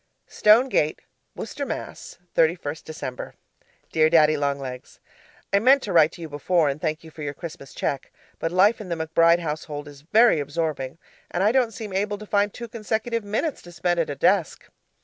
'STONE GATE', WORCESTER, MASS., 31st December Dear Daddy Long Legs, I meant to write to you before and thank you for your Christmas cheque, but life in the McBride household is very absorbing, and I don't seem able to find two consecutive minutes to spend at a desk.